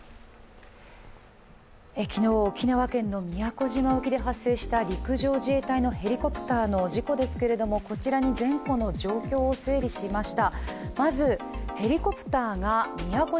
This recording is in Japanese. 昨日、沖縄県の宮古島沖で発生した陸上自衛隊のヘリコプターの事故ですけれども、こちらに前後の状況を整理しました。